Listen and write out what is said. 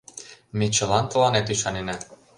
Ме чылан тыланет ӱшанена.